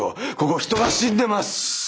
ここ人が死んでます。